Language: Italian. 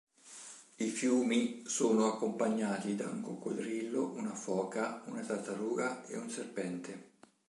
I fiumi sono accompagnati da un coccodrillo, una foca, una tartaruga e un serpente.